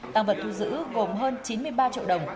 tăng vật thu giữ gồm hơn chín mươi ba triệu đồng